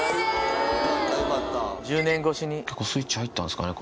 結構スイッチ入ったんですかね